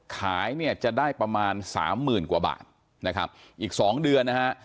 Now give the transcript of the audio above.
ขายเนี่ยจะได้ประมาณสามหมื่นกว่าบาทนะครับอีกสองเดือนนะฮะ